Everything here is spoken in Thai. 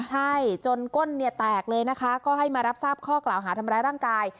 ใช่จนก้นเนี่ยแตกเลยนะคะก็ให้มารับทราบข้อกล่าวหาทำร้ายร่างกาย